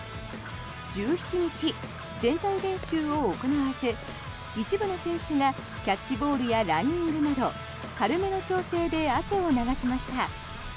１７日、全体練習を行わず一部の選手たちがキャッチボールやランニングなど軽めの調整で汗を流しました。